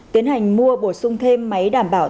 tiến hành mua bổ sung thêm máy đảm bảo